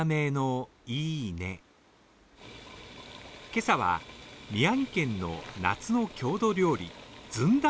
今朝は、宮城県の夏の郷土料理、ずんだ